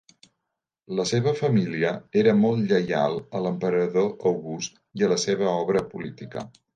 La seva família era molt lleial a l'emperador August i a la seva obra política.